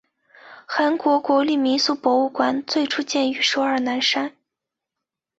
韩国国立民俗博物馆最初建于首尔南山。